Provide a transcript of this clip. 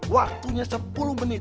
waktunya sepuluh menit